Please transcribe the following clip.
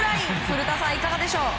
古田さん、いかがでしょう。